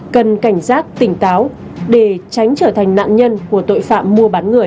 cần cảnh giác tỉnh táo để tránh trở thành nạn nhân của tội phạm mua bán người